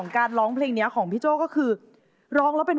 แต่กีดกันด้วยชะตา